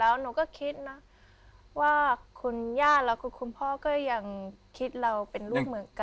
แล้วหนูก็คิดนะว่าคุณย่าแล้วก็คุณพ่อก็ยังคิดเราเป็นลูกเหมือนกัน